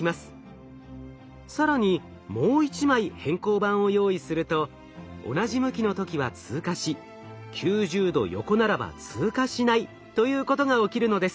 更にもう１枚偏光板を用意すると同じ向きの時は通過し９０度横ならば通過しないということが起きるのです。